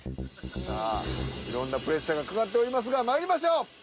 さあいろんなプレッシャーがかかっておりますがまいりましょう。